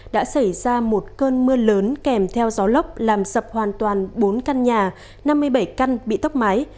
đã xảy ra một cơn mưa lớn kèm theo gió lốc làm sập hoàn toàn bốn căn nhà năm mươi bảy căn bị tốc mái